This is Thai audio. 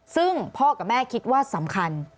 ซึ่งพ่อกับแม่คิดว่าสำคัญ